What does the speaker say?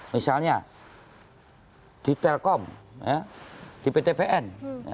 misalnya di telkom di ptbn